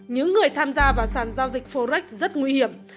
những người tham gia vào sàn giao dịch forex rất nguy hiểm